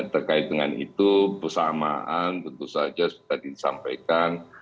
terkait dengan itu persamaan tentu saja seperti tadi disampaikan